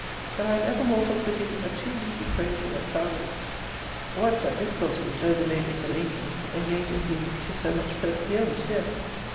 But I am evermore for quitting a too easy prey to reptile rakes! What but difficulty, (though the lady is an angel,) engages me to so much perseverance here?